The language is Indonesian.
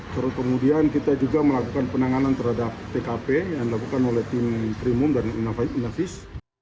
terus kemudian kita juga melakukan penanganan terhadap tkp yang dilakukan oleh tim primum dan inavis